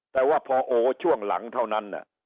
แต่ว่าพอโอช่วงหลังเท่านั้น